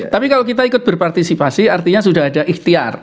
tapi kalau kita ikut berpartisipasi artinya sudah ada ikhtiar